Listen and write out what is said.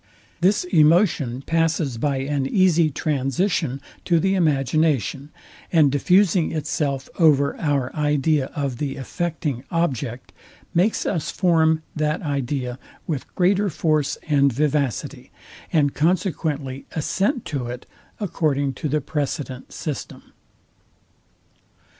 This emotion passes by an easy transition to the imagination; and diffusing itself over our idea of the affecting object, makes us form that idea with greater force and vivacity, and consequently assent to it, according to the precedent system.